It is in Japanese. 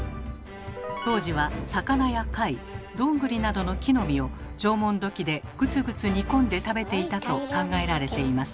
当時は魚や貝どんぐりなどの木の実を縄文土器でグツグツ煮込んで食べていたと考えられています。